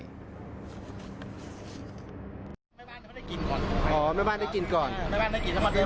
แม่บ้านเขาได้กินก่อนอ๋อแม่บ้านได้กินก่อนแม่บ้านได้กินก่อน